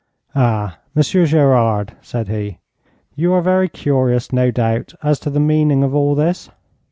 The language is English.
'Ah, Monsieur Gerard,' said he, 'you are very curious, no doubt, as to the meaning of all this?'